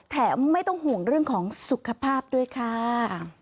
ไม่ต้องห่วงเรื่องของสุขภาพด้วยค่ะ